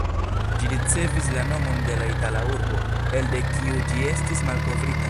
Ĝi ricevis la nomon de la itala urbo, elde kiu ĝi estis malkovrita.